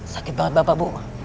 sakit banget bapak bu